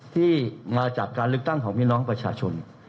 ที่มาจากการเลือกตั้งของพี่น้องประชาชน